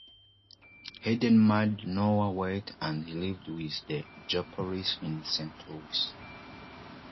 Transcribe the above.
Hayden married Nora Wright and lived with the Joplins in Saint Louis.